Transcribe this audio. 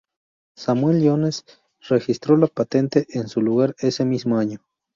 Samuel Jones registró la patente en su lugar ese mismo año.